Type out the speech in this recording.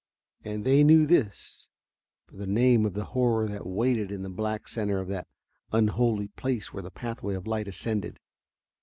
And they knew this for the name of the horror that waited in the black center of that unholy place where the pathway of light ascended.